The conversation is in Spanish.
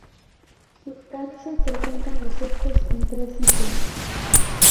Sus cálices presentan los septos en tres ciclos.